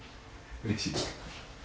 うれしい。